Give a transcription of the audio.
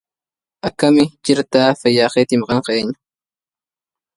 شغف السهاد بمقلتي ومزاري